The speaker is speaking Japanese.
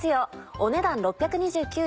お値段６２９円。